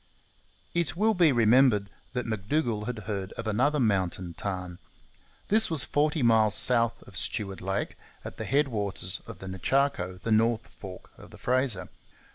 It will be remembered that M'Dougall had heard of another mountain tarn. This was forty miles south of Stuart Lake, at the headwaters of the Nechaco, the north fork of the Fraser.